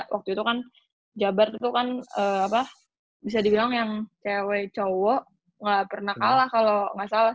waktu itu kan jabar tuh kan apa bisa dibilang yang cewe cowok gak pernah kalah kalo gak salah